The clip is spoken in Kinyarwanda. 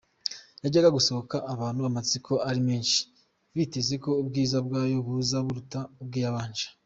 Yajyaga gusohoka abantu amatsiko ari menshi biteze ko ubwiza bwayo buza buruta ubw’iyabanje.